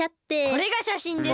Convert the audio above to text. これがしゃしんです。